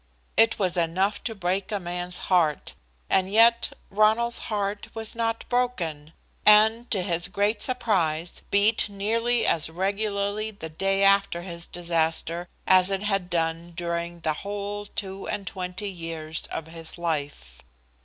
It was enough to break a man's heart, and yet Ronald's heart was not broken, and to his great surprise beat nearly as regularly the day after his disaster as it had done during the whole two and twenty years of his life.